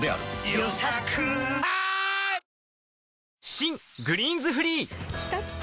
新「グリーンズフリー」きたきた！